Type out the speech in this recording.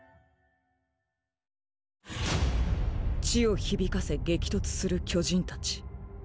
地を響かせ激突する巨人たち。